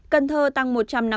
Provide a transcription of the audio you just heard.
cần thơ tăng một trăm năm mươi sáu